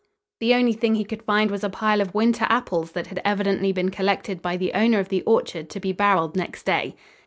The only thing he could find was a pile of winter apples that had evidently been collected by the owner of the orchard to be barreled next day.